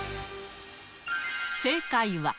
正解は。